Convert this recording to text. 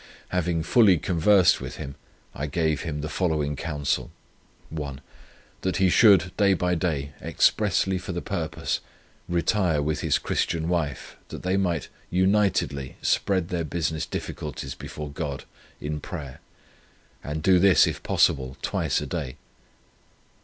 Having fully conversed with him, I gave him the following counsel: 1, That he should day by day, expressly for the purpose, retire with his Christian wife, that they might unitedly spread their business difficulties before God in prayer, and do this, if possible, twice a day.